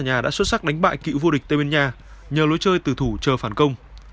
khán giả nhà đã xuất sắc đánh bại cựu vô địch tây bên nha nhờ lối chơi tử thủ chờ phản công